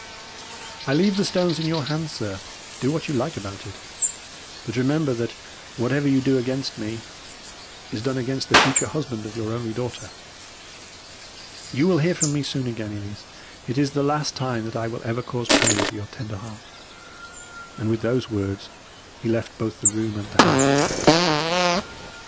I leave the stones in your hands, sir. Do what you like about it. But remember that whatever you do against me, is done against the future husband of your only daughter. You will hear from me soon again, Elise. It is the last time that I will ever cause pain to your tender heart,' and with these words he left both the room and the house.